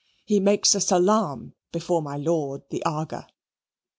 He makes a salaam before my lord the Aga.